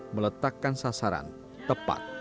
meletakkan sasaran tepat